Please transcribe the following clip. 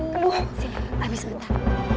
sini habis sebentar